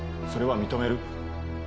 それは認める。